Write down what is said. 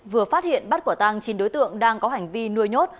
vừa phát hiện bắt quả tang chín đối tượng đang có hành vi nuôi nhốt